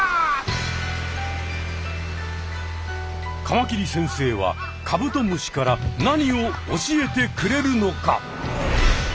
カマキリ先生はカブトムシから何を教えてくれるのか？